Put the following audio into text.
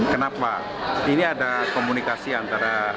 kenapa ini ada komunikasi antara